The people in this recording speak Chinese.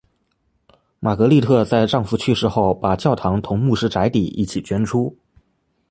玛格丽特在丈夫去世后把教堂同牧师宅邸一起捐出。